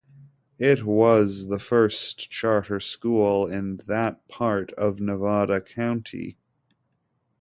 It was the first charter school in that part of Nevada County.